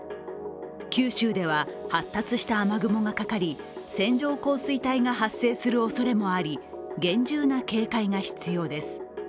九州では発達した雨雲がかかり、線状降水帯が発生するおそれもあり厳重な警戒が必要です。